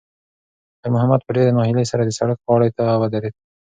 خیر محمد په ډېرې ناهیلۍ سره د سړک غاړې ته ودرېد.